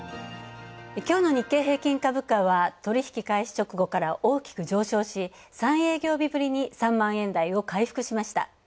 きょうの日経平均株価は取引開始直後から大きく上昇し３営業日ぶりに３万円台を回復しました。